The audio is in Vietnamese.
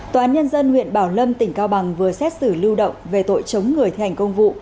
tòa án nhân dân huyện bảo lâm tỉnh cao bằng vừa xét xử lưu động về tội chống người thi hành công vụ